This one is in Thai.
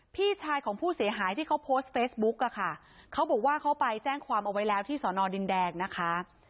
พี่ชายของผู้เสียหายที่เขาโพสต์เฟซบุ๊กอะค่ะเขาบอกว่าเขาไปแจ้งความเอาไว้แล้วที่สอนอดินแดงนะคะ